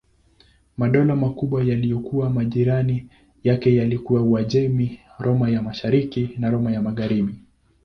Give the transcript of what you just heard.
Madola makubwa yaliyokuwa majirani yake yalikuwa Uajemi, Roma ya Mashariki na Roma ya Magharibi.